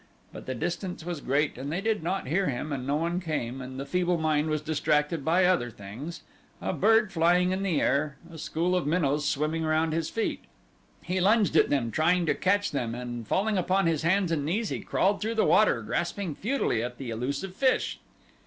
But the distance was great and they did not hear him and no one came, and the feeble mind was distracted by other things a bird flying in the air, a school of minnows swimming around his feet. He lunged at them trying to catch them, and falling upon his hands and knees he crawled through the water grasping futilely at the elusive fish.